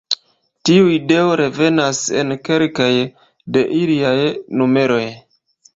Tiu ideo revenas en kelkaj de iliaj numeroj.